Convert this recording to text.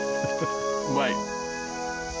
うまい。